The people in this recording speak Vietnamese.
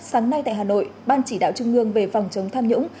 sáng nay tại hà nội ban chỉ đạo trung ương về phòng chống tham nhũng